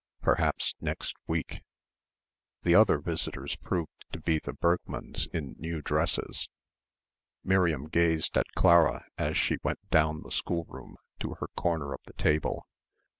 Perhaps next week.... The other visitors proved to be the Bergmanns in new dresses. Miriam gazed at Clara as she went down the schoolroom to her corner of the table.